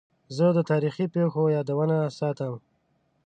زه د تاریخي پیښو یادونې ساتم.